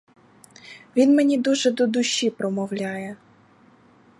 Він мені дуже до душі промовляє.